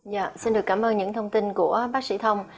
dạ xin được cảm ơn những thông tin của bác sĩ thông